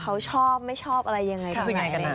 เขาชอบไม่ชอบอะไรยังไงก็ได้